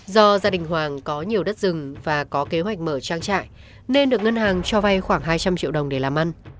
do gia đình hoàng có nhiều đất rừng và có kế hoạch mở trang trại nên được ngân hàng cho vay khoảng hai trăm linh triệu đồng để làm ăn